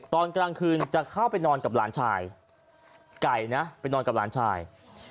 ตอนกลางคืนจะเข้าไปนอนกับหลานชายไก่นะไปนอนกับหลานชาย